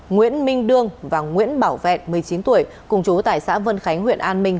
nguyễn minh đương và nguyễn bảo vẹn một mươi chín tuổi cùng chú tại xã vân khánh huyện an minh